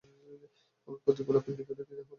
আমার প্রতিপালক নিকটেই, তিনি আহ্বানে সাড়া দেন।